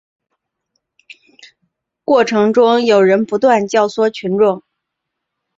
过程中有人不断教唆群众